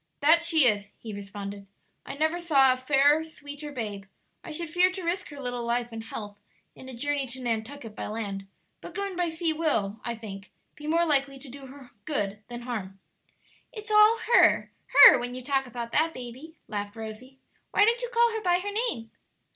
"That she is!" he responded; "I never saw a fairer, sweeter babe. I should fear to risk her little life and health in a journey to Nantucket by land; but going by sea will, I think, be more likely to do her good than harm." "It's all her, her, when you talk about that baby," laughed Rosie; "why don't you call her by her name?"